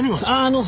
あの！